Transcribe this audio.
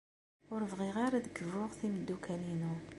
Ur bɣiɣ ara ad kbuɣ timeddukal-inu.